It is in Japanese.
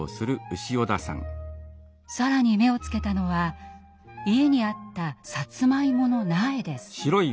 更に目をつけたのは家にあったさつまいもの苗です。